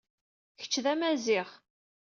Kečč d amaziɣ